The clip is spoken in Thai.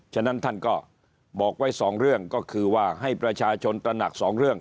ฉะนั้นท่านก็บอกไว้สองเรื่องก็คือว่าให้ประชาชนตระหนักสองเรื่อง